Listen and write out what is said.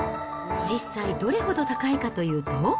実際、どれほど高いかというと。